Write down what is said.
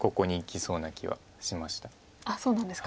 そうなんですか。